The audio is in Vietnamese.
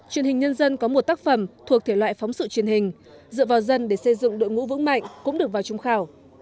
truyền hình nhân dân có một tác phẩm thuộc thể loại phóng sự truyền hình dựa vào dân để xây dựng đội ngũ vững mạnh cũng được vào trung khảo